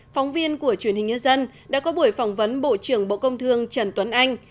phóng viên của truyền hình nhân dân đã có buổi phỏng vấn bộ trưởng bộ công thương trần tuấn anh